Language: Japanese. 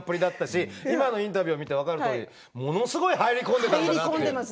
今のインタビュー見て分かるようにものすごく入り込んでいたんだな。